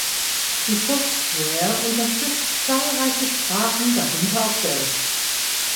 Die Software unterstützt zahlreiche Sprachen, darunter auch Deutsch.